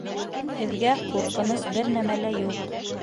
Һеҙгә ҡурҡыныс бер нәмә лә юҡ